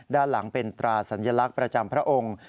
ด้านหลังเป็นตราสัญลักษณ์ประจำพระองค์